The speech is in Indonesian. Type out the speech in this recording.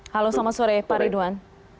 halo selamat sore pak ridwan